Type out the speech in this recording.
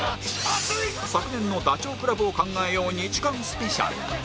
昨年のダチョウ倶楽部を考えよう２時間スペシャル